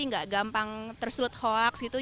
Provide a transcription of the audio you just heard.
nggak gampang tersulut hoax gitu